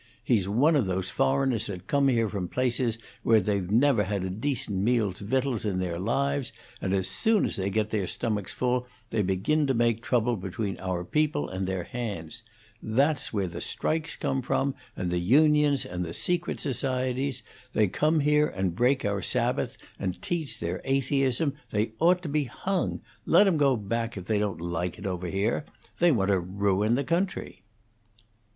He's one of those foreigners that come here from places where they've never had a decent meal's victuals in their lives, and as soon as they get their stomachs full, they begin to make trouble between our people and their hands. There's where the strikes come from, and the unions and the secret societies. They come here and break our Sabbath, and teach their atheism. They ought to be hung! Let 'em go back if they don't like it over here. They want to ruin the country."